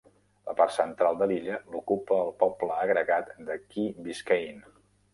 La part central de l'illa l'ocupa el poble agregat de Key Biscayne.